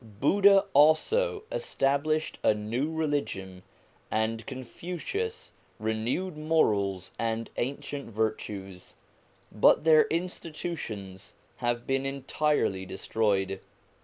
Buddha also established a new religion, and Confucius renewed morals and ancient virtues, but their institutions have been entirely destroyed.